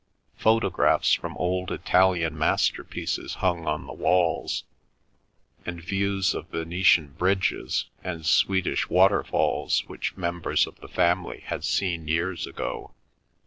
Photographs from old Italian masterpieces hung on the walls, and views of Venetian bridges and Swedish waterfalls which members of the family had seen years ago.